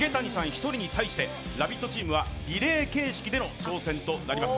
１人に対して、「ラヴィット！」チームはリレー形式での挑戦となります。